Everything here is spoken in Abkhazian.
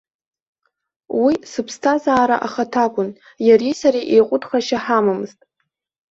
Уи сыԥсҭазаара ахаҭа акәын, иареи сареи еиҟәыҭхашьа ҳамамызт.